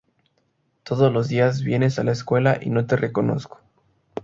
Todos los días vienes a la escuela y no te reconozco.